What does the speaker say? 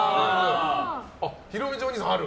ひろみちおにいさんは、ある。